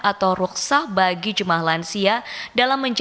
atau ruksah bagi jemaah lansia dalam berikutnya